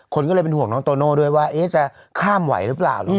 คนก็เลยเป็นห่วงน้องโตโน่ด้วยว่าจะข้ามไหวหรือเปล่า